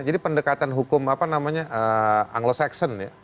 jadi pendekatan hukum apa namanya anglo saxon ya